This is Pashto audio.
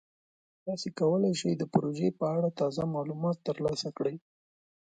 تاسو کولی شئ د پروژې په اړه تازه معلومات ترلاسه کړئ.